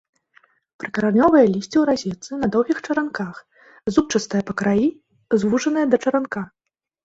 Прыкаранёвае лісце ў разетцы, на доўгіх чаранках, зубчастае па краі, звужанае да чаранка.